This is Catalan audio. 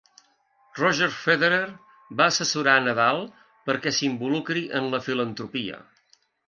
Roger Federer va assessorar a Nadal per a que s'involucri en la filantropia.